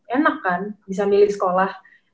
enak kan bisa milih sekolah